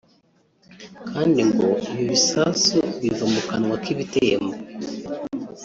Kandi ngo ibi bisasu biva mu kanwa k’ibitembo